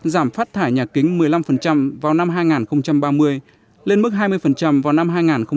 giảm phát thải nhà kính một mươi năm vào năm hai nghìn ba mươi lên mức hai mươi vào năm hai nghìn năm mươi